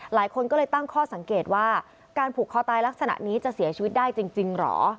หลายคนก็เลยตั้งข้อสังเกตว่าการผูกคอตายลักษณะนี้จะเสียชีวิตได้จริงเหรอ